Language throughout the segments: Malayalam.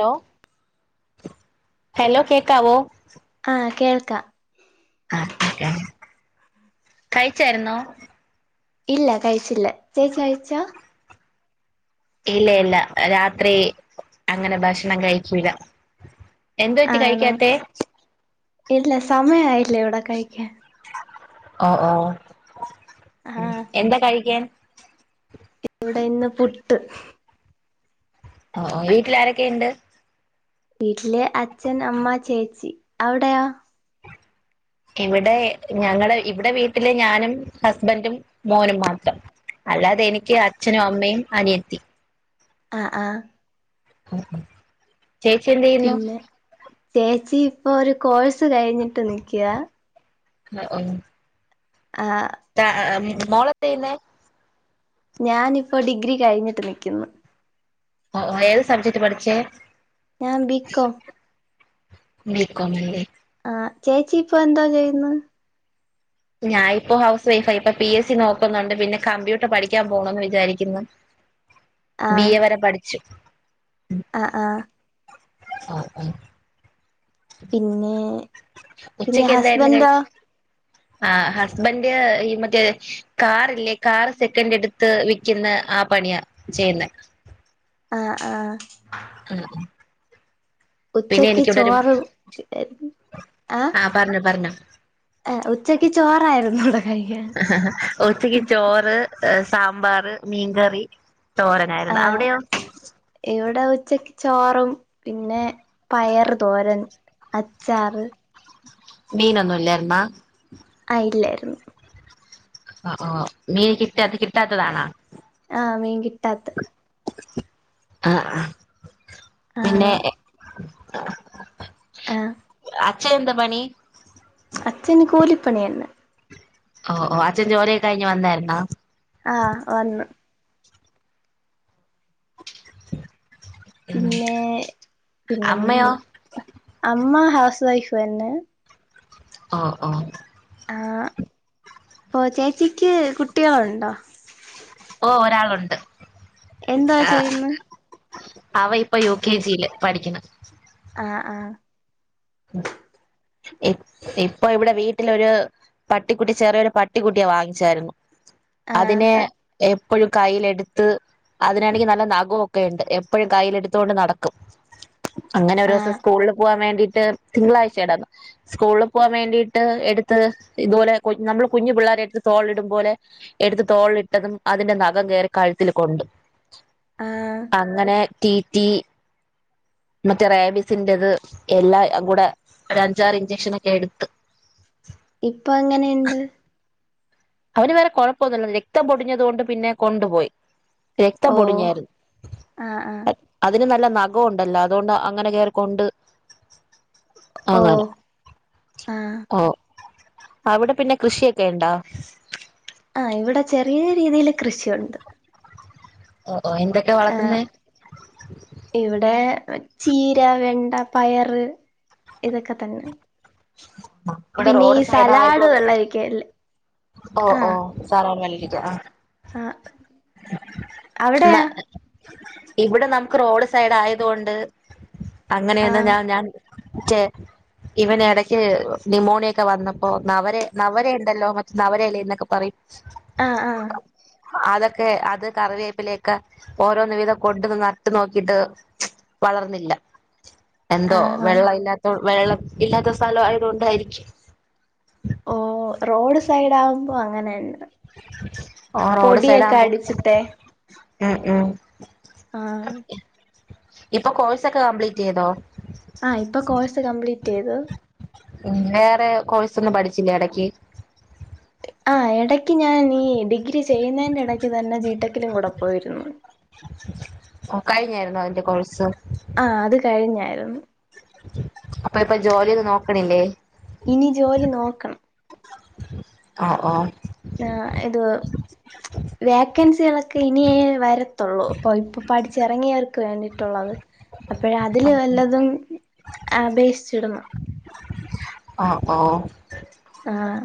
ഹലോ ഹലോ കേക്കാവോ? ആഹ് കേൾക്കാം. ആഹ് കേക്കാം, കഴിച്ചാരുന്നോ? ഇല്ല കഴിച്ചില്ലാ, ചേച്ചി കഴിച്ചോ? ഇല്ല ഇല്ല രാത്രി അങ്ങനെ ഭക്ഷണം കഴിക്കൂല്ല. എന്ത് പറ്റി ആണോ കഴിക്കാത്തേ? ഇല്ല സമയം ആയില്ല ഇവിടെ കഴിക്കാൻ. ആഹ് ആഹ്, ആഹ് എന്താ കഴിക്കാൻ? ഇവിടെ ഇന്ന് പുട്ട്. ആഹ് ആഹ്, വീട്ടിൽ ആരൊക്കെ ഉണ്ട്? വീട്ടില് അച്ഛൻ, അമ്മ, ചേച്ചി, അവിടെയോ? ഇവിടെ ഞങ്ങള് ഇവിടെ വീട്ടിലെ ഞാനും ഹസ്ബൻഡും, മോനും മാത്രം. അല്ലാതെ എനിക്ക് അച്ഛനും, അമ്മയും, അനിയത്തി. ആഹ് ആഹ്. മ്മ് മ്മ്. ചേച്ചി എന്ത് ചെയ് പിന്നെ ചേച്ചി ഇപ്പൊ ഒരു കോഴ്സ് കഴിഞ്ഞിട്ട് നിക്ക്യാ. ഹേ ഒന്ന്. ആഹ്. ആഹ് ആഹ് മോള് എന്താ ചെയ്യുന്നെ? ഞാനിപ്പോ ഡിഗ്രി കഴിഞ്ഞിട്ട് നിക്കുന്നു. ഓ ഓ ഏത് സബ്ജെക്ട് പഠിച്ചേ? ഞാൻ ബി കോം. ബി കോം അല്ലേ. ആഹ് ചേച്ചി ഇപ്പൊ എന്തോ ചെയ്യുന്നു? ഞാൻ ഇപ്പൊ ഹൗസ് വൈഫാ ഇപ്പം എസ് സി നോക്കുന്നുണ്ട്, പിന്നെ കമ്പ്യൂട്ടർ പഠിക്കാൻ പോണോന്നു വിചാരിക്കുന്നു. ബി ആഹ് എ വരെ പഠിച്ചു. ആഹ് ആഹ്. ആഹ് ആഹ്. പിന്നെ പിന്നെ ഉച്ചക്ക് എന്തായിരുന്നു കഴി ഹസ്ബൻഡോ ആഹ് ഹസ്ബൻഡ് ഈ മറ്റേ കാറ് ഇല്ലേ കാർ സെക്കന്റടുത്ത് ത്ത് വിക്കുന്ന ആ പണിയാ ചെയ്യുന്നെ. ആഹ് ആഹ്. ഉം ഉം. പിന്നെ ഉച്ചക്ക് എനിക്കിവിടൊരു ചോറ് ആഹ് പറഞ്ഞോ പറഞ്ഞോ. ഏഹ് ഉച്ചക്ക് ചോറായിരുന്നു ഇവിടെ കഴിക്കാൻ [inaudible] ഒച്ചക്ക് ചോറ് സാമ്പാറ് മീൻകറി തോരനായിരുന്നു ആഹ് അവിടെയോ? ഇവിടെ ഉച്ചക്ക് ചോറും പിന്നെ പയറ് തോരൻ അച്ചാറ് മീന ഒന്നും ഇല്ലാർന്നോ? ആ ഇല്ലായിരുന്ന്. ഒ ഓ മീൻ കിട്ടാത്ത് കിട്ടാത്തതാണോ? ആമീൻ കിട്ടാത്ത്. ആഹ് ആഹ് ആഹ് ആഹ് അച്ഛ എന്താ പണി? അച്ഛന് കൂലിപ്പണിയാണ്. ഓഓ അച്ഛൻ ജോലിയൊ കഴിഞ്ഞ് വന്നായിരുന്നോ? ആ വന്നു [inaudible] പിന്നെ, പിന്നെ മ് അമ്മയോ അമ്മ ഹൗസ് വൈഫെന്നെ. ആഹ് ആഹ് ആ പ്പൊ ചേച്ചിക്ക് കുട്ടികളുണ്ടോ? ഓ ഒരാളുണ്ട്. എന്താ ആ, ചെയ്യുന്നേ? അവ ഇപ്പ യു കെ ജിയില് പഠിക്കണ്. ആഹ് ആഹ് ഇപ്പ് ഇപ്പൊ വിടെ വീട്ടിലൊരു പട്ടിക്കുട്ടി ചെറിയൊരു പട്ടിക്കുട്ടിയെ വാങ്ങിച്ചാരുന്നു ആഹ് അതിനെ എപ്പഴും കയ്യിലെടുത്ത് അതിനാണെങ്കി നല്ല നഖോക്കെ ഉണ്ട് എപ്പോഴും കയ്യിലെടുത്തോണ്ട് നടക്കും. അങ്ങനെ ഒരു ദിവസം ആഹ് സ്കൂളിൽ പോകാൻ വേണ്ടിട്ട് തിങ്കളാഴ്ച [unintelligible] സ്കൂളിൽ പോവാൻ വേണ്ടിയിട്ട് എടുത്ത് ഇതുപോലെ കുൻ നമ്മൾ കുഞ്ഞു പിള്ളേരെ എടുത്ത് തോളിടും പോലെ എടുത്ത് തോളിലിട്ടതും അതിന്റെ നഖം കേറി കഴുത്തിൽ കൊണ്ട്. ആഹ് അങ്ങനെ റ്റിറ്റീ മറ്റേ റാബിസിന്റത് എല്ലാം കൂടെ ഒരു അഞ്ചാറ് ഇഞ്ചക്ഷനോക്കെ എടുത്ത് ! ! ! ! ! ! ! ! ! ! ! ! ! ! ! ! ! ! ! ! ! ! ! ! ! ! ! ! ! ! ! ഇപ്പൊ എങ്ങനെയുണ്ട്? അവന് വേറെ കുഴപ്പൊന്നുമില്ല രക്തം പൊടിഞ്ഞത് കൊണ്ട് പിന്നെ കൊണ്ടുപോയി. രക്തം ഓഹ് പൊടിഞ്ഞാരുന്നു. ആഹ് ആഹ് അതിന് നല്ല നഖംണ്ടല്ലോ അതോണ്ട് അങ്ങനെ കേറിക്കൊണ്ട് അങ്ങനെ ഓഹ് ആഹ് ഓ അവിടെ പിന്ന കൃഷിയൊക്കെ ഉണ്ടാ? ആ ഇവിടെ ചെറിയ രീതിയിൽ കൃഷിയുണ്ട്. ഓ ഓ എന്തെക് ആഹ ഇവിടെ ചീര, വെണ്ട, പയറ് ഇതൊക്കെ തന്നെ ഇവിടെ പിന്നെ ഈ റോഡ് സൈഡ് സലാഡ് ആയതുകൊണ്ട് വെള്ളരിക്കയില്ലേ? ഓ ഓ സാറ ആഹ് അവിടെയാ [unintelligible] ഇവിടെ നമുക്ക് റോഡ് സൈഡ് ആയത് കൊണ്ട് അങ്ങനെയൊന്ന് ആഹ് ഞാ ഞാൻ ചെ ഇവന് ഇടയ്ക്ക് നിമോണിയൊക്കെ വന്നപ്പോ നവരെ നവരെ ഉണ്ടല്ലോ നവരെല എന്നൊക്കെ പറയും. ആഹ് ആഹ് അതൊക്കെ അത് കറിവേപ്പിലേക്കെ ഓരോന്ന് വീതം കൊണ്ടന്ന് നട്ട് നോക്കിട്ട് വളർന്നില്ല. എന്തോ ആഹ് ആഹ് വെള്ളം ഇല്ലാത്ത വെള്ളം ഇല്ലാത്ത സ്ഥല ആയത്കൊണ്ടായിരിക്കും ഓ റോഡ് സൈഡ് ആകുമ്പോ അങ്ങനെന്നെ ആ റോഡ് സൈഡ് പൊടിയൊക്കെ ആകുമ്പോ അടിച്ചിട്ടെ ഉം ഉം ആ ഇപ്പൊ കോഴ്സ് ഒക്കെ കംപ്ലീറ്റ് ചെയ്തോ ആ ഇപ്പൊ കോഴ്സ് കംപ്ലീറ്റ് ചെയ്ത് ഉ വേറെ കോഴ്സ ഒന്നും പഠിച്ചില്ലേ ഇടക്ക് ആ ഇടക്ക് ഞാൻ ഈ ഡിഗ്രി ചെയ്യുന്നതിന്റെ ഇടക്ക് തന്നെ ജിടെക്കിലും കൂടെ പോയിരുന്നു കഴിഞ്ഞായിരുന്നു അതിന്റെ കോഴ്സ് ആഹ അത് കഴിഞ്ഞായിരുന്നു അപ്പൊ ഇപ്പൊ ജോലിയൊന്നും നോക്ണില്ലേ ഇനി ജോലി നോക്കണം ആ ഓ ആ ഇത് ! ! ! ! ! ! ! ! ! ! ! ! ! ! ! ! ! ! ! ! ! ! ! വേക്കൻസികളൊക്കെ ഇനേ വരത്തുള്ളൂ അപ്പൊ ഇപ്പൊ പഠിച്ചിറങ്ങിയവർക്ക് വേണ്ടിയിട്ടുള്ളത് അപ്പോഴ അതില് വല്ലതും അപേക്ഷിച്ചിടണം ഓ ഓ ആഹ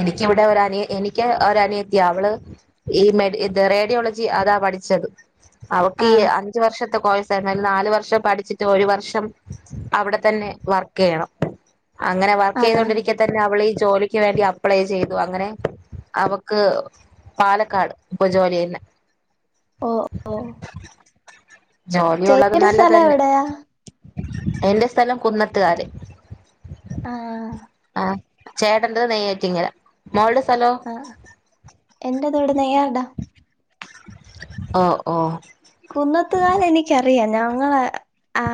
എനിക്കിവിടെ ഒരു അനി എനിക്ക് ഒരു അനിയത്തിയ അവള് ഈ മെഡ ഇ റേഡിയോളജി അതാ പഠിച്ചത് അവക്ക് ഈ ആഹ് അഞ്ച് വർഷത്തെ കോഴസ ഇനി നാല് വർഷം പഠിച്ചിട്ട് ഒരു വർഷം അവിടെ തന്നെ വർക്ക് ചെയ്യണം അങ്ങനെ വർക്ക് ആഹ് ചെയ്തുകൊണ്ടിരിക്കെ തന്നെ അവളീ ജോലിക്ക് വേണ്ടി അപ്ലൈ ചെയ്തു അങ്ങനെ അവക്ക് പാലക്കാട് ഇപ്പൊ ജോലിന്നെ ഓ ഓ ജോലിയ ഉള്ളത് ചേച്ചിയുടെ സ്ഥലം നല്ലതന്നെ എവിടെയാ എന്റെ സ്ഥലം കുന്നത് കാര് ആഹ ആഹ ചേടന്റെ ത് നെയ്യാറ്റികര മോളുടെ സ്ഥലോ ആ എന്റെതോടെ നെയ്യാർ ടാ ഓ ഓ കുന്നത്തുകാല എനിക്കറിയാം ഞങ്ങള ആ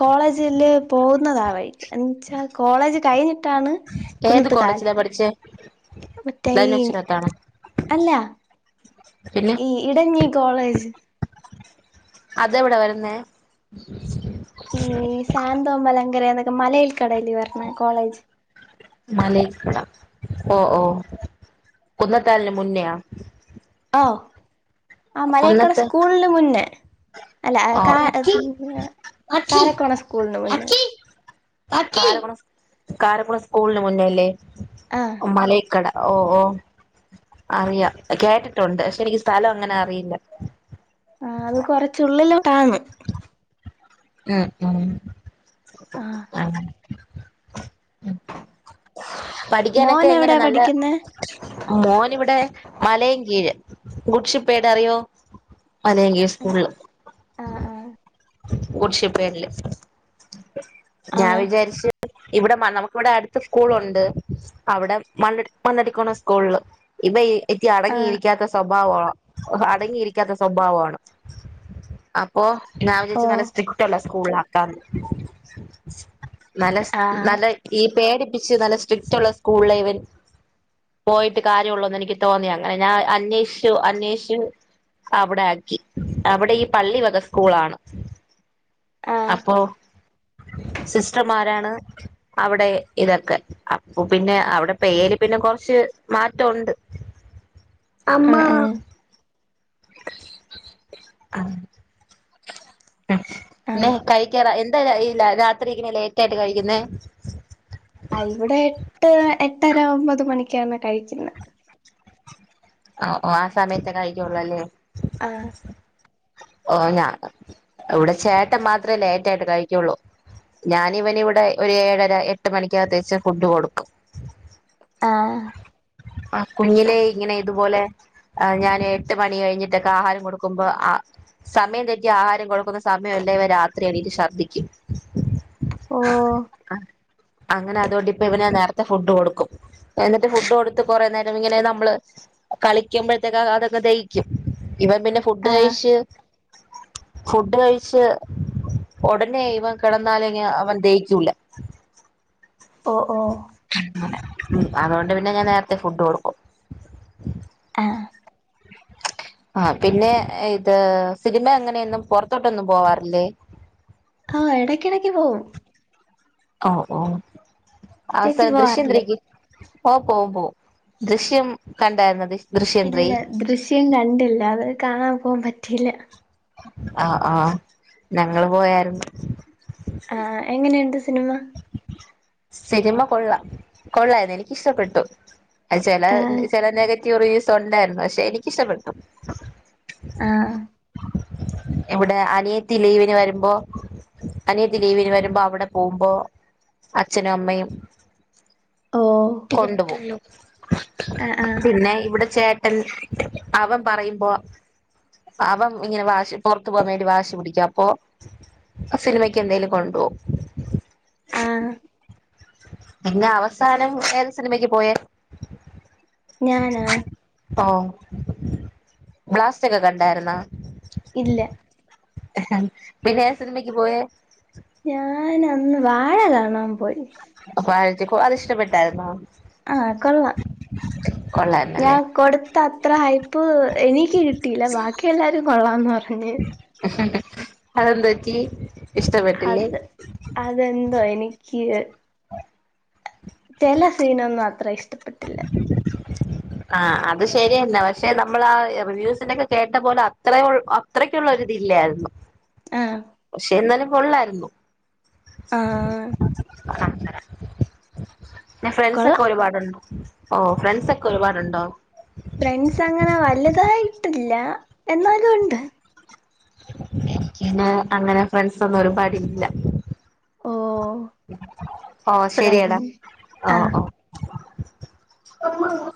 കോളേജ് ല് പോകുന്നതാ വഴിക്ക് എന്നച്ചാൽ കോളേജ് കഴിഞ്ഞിട്ടാണ് ഏത് കുന്നത്ത്കാ ല് കോളേജിലാ പഠിച്ചേ അ വച്ചനത്താണ് അല്ല ഈ ഇടഞ്ഞി കോളേജ് അതെവിടെ വരുന്നേ ഈ സാന്തോ മലങ്കര എന്നൊക്കെ മലയിൽ കടൽി പറഞ്ഞ കോളേജ് മല ഓ ഓ കുന്നത്താലിന് മുന്നയാാ ഓ ആ മലേക്കട കൊന്നത്ത് സ്കൂളിന് മുന്നേ അല്ല ഓ കാ കാരക്കോണ സ്കൂളിന് മുന്നേ കാരക്കുളം സ്കൂളിന് മുന്നേ അല്ലേ ആ മലേ ക്കട ഓ ഓ അറിയാം കേട്ടിട്ടുണ്ട് പക്ഷെ എനിക്ക് സ്ഥലം അങ്ങനെ അറിയില്ല ആ അത് കൊറച്ചുള്ളിലോട്ട ഉം ഉം ആ ഉ മോൻ പഠിക്കാനൊക്കെ എങ്ങനെ എവിടെയാ നല്ല പഠിക്കുന്നേ മോൻ ഇവിടെ മലയും കീഴ് ഗുഷിപ്പേട അറിയോ മ ലയങ്കി സ്കൂളില് ആഹ ആഹ കുടിശിപ്പല്ലേ ആ ഞാൻ വിചാരിച്ച ഇവിടെ നമുക്ക്ിവിടെ അടുത്ത സ്കൂളുണ്ട് അവിടെ മണ്ണ് മണ്ണടിക്കോണ സ്കൂളില് ഇവൻ ആ അടങ്ങിരിക്ക ഇരിക്കാത്ത സ്വഭാവ അടങ്ങിയിരിക്കാത്ത സ്വഭാവാണ് അപ്പൊ ഞാൻ ഓ വിചാരിച്ചു നല്ല സ്ട്രിക്ട്ള്ള സ്കൂളി ആക്കാന്ന് നല്ല ആ നല്ല ഈ പേടിപ്പിച്ച് നല്ല സ്ട്രിക്റ്റ് ഉള്ള സ്കൂളിലെ ഇ വൻ പോയിട്ട് കാര്യമുള്ളൂന്ന് എനിക്ക് തോന്നി അങ്ങനെ ഞാൻ അന്വേഷിച്ചു അന്വേഷിച്ച് അവിടെ ആക്കി അവിടെ ഈ പള്ളി വക സ്കൂളാണ് ആ അപ്പൊ സിസ്റ്റർമാരാണ് അവിടെ ഇതൊക്കെ അപ്പൊ പിന്നെ അവിടെ പേര് പിന്നെ കൊറച്ച് മാറ്റണ്ട് ആ അമ്മാ ആ ആ പിന്നെ കഴിക്കാറ എന്താ രാത്രി ഇങ്ങനെ ലേറ്റ് ആയിട്ട് കഴിക്കുന്നെ ആ ഇവിടെ എട്ട് എട്ടര ഒമ്പത് മണിക്കാണ് കഴിക്കുന്നെ ഓ ആ സമയത്തെ കഴിക്കുള്ളല്ലേ ആ ഓ ഞാ ഇവിടെ ചേട്ടൻ മാത്രമേ ലേറ്റ് ആയിട്ട് കഴിക്കുള്ളൂ ഞാനിവന് ഇവിടെ ഒരു ഏഴര എട്ട് മണിക്കകത്തേച്ച് ഫുഡ് കൊടുക്കും ആഹ ആ കുഞ്ഞിലേ ഇങ്ങനെ ഇതുപോലെ ആ ഞാന് എട്ട് മണി കഴിഞ്ഞിട്ടക്കെ ആഹാരം കൊടുക്കുമ്പോ അ സമയം തെറ്റി ആഹാരം കൊടുക്കുന്ന സമയവല്ലേ ഇവൻ രാത്രി യെണീറ്റു ശർദ്ദിക്കും ഓ ആ അങ്ങനെ അതുകൊണ്ട് ഇപ്പൊ ഇവന് നേരത്തെ ഫുഡ് കൊടുക്കും എന്നിട്ട് ഫുഡ് കൊടുത്ത് കൊറേ നേരം ഇങ്ങനെ നമ്മള് കളിക്കുമ്പോഴത്തേക്ക് അതൊക്കെ ദഹിക്കും ഇവൻ പിന്നെ ഫുഡ് ആ കഴിച്ച് ഫുഡ് കഴിച്ച് ഉടനെ ഇവൻ കിടന്നാലും അവന് ദഹി ക്കൂല ഓ ഓ അ അതുകൊണ്ട് പിന്നെ ഞാൻ നേരത്തെ ഫുഡ് കൊടുക്കും ആ ആ പിന്നെ ഇത് സിനിമ അ ങ്ങനെയൊന്നും പുറത്തോട്ടൊന്നും പോവാറില്ലേ ആ എടക്കിടക്ക് പോകും ഓ ഓ ആസർ ചേച്ചി ദൃശ്യം ത്രീ പോവാറില്ലേ ക്ക് ഓ പോവും പോവും ദൃശ്യം കണ്ടായിരുന്നോ ദൃശ്യം ത്രീ ഇല്ല ദൃശ്യം കണ്ടില്ല അത് കാണാൻ പോവാൻ പറ്റിയില്ല ആഹ ആഹ ഞങ്ങള് പോയാര്ന്നു ആ എങ്ങനെയുണ്ട് സിനിമ സിനിമ കൊള്ളാം കൊള്ളായിരുന്നു എനിക്ക് ഇഷ്ട്ട പ്പെട്ടു ചെല ആ ചെല നെഗറ്റീവ് റിവ്യൂസ് ഉണ്ടായിരുന്നു പക്ഷെ എനിക്കിഷ്ട്ട പ്പെട്ടു ആ ഇവിടെ അനിയത്തി ലീവിന് വരുമ്പൊ അനിയത്തി ലീവിന് വരുമ്പൊ അവിടെ പോവുമ്പൊ അച്ഛനും അമ്മയും ഓ കൊണ്ടു പോകും ആ ആ പിന്നെ ഇവിടെ ചേട്ട എ അവൻ പറയുമ്പോ അവൻ ഇങ്ങനെ വാശി പുറത്ത് പോകാൻ വേണ്ടി വാശി പിടിക്കും അപ്പൊ സിനിമയ്ക്ക് എന്തേലും കൊണ്ടോവും ആഹ പിന്നെ അവസാനം ഏത് സിനിമയ്ക്ക് പോയേ ഞാനാ ഓ ബ്ലാസ്റ്റക്കെ കണ്ടാരുന്നാ ഇല്ല എ ഹ പിന്നെ ഏത് സിനിമക്ക് പോയെ ഞാൻ അന്ന് വാഴ കാണാൻ പോയി അപ്പഴക്ക അത് ഇഷ്ടപ്പെട്ടായിരുന്നോ ആഹ കൊള്ളാം കൊള്ളായി ഞാൻ കൊടുത്ത അത്ര ഹൈപ്പ് എനിക്ക് കിട്ടീല ബാക്കി എല്ലാരും കൊള്ളാംന്ന് പറഞ്ഞ് അ ഹ അതെന്തുപ്പറ്റി അത് അത് അതെന്തോ എനിക്ക് ചെല സീനൊന്നും അത്ര ഇഷ്ടപ്പെടട്ടി [unintelligible] ആ അത് ശരിയന്ന പക്ഷെ നമ്മൾ ആ റിവ്യൂസിനൊക്കെ കേട്ട പോലെ അത്രേ ഉള്ള അത്രയ്ക്കുള്ള ഒര് ഇതില്ലായിരുന്നു ആഹ പക്ഷെ എന്നാലും കൊള്ളായിരുന്നു ആ ഫ്രണ്ട്സൊക്കെ കൊള്ളാം ഒരുപാടുണ്ടോ ഓ ഫ്രണ്ട്സ് ഒക്കെ ഒരുപാടുണ്ടോ ഫ്രണ്ട്സ് അങ്ങനെ വലുതായിട്ടില്ല എന്നാലും ഉണ്ട് എനിക്ക് പിന്നെ അങ്ങനെ ഫ്രണ്ട്സൊന്നും ഒരുപാടില്ല ഓ ഓ ഫ്രണ്ട് ശരിയടാ ആഹ് ഓഹ് ഓ